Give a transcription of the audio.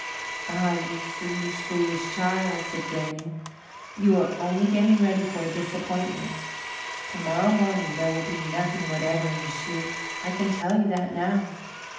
"Ah, you foolish, foolish child," said Granny, "you are only getting ready for a disappointment To morrow morning there will be nothing whatever in the shoe. I can tell you that now."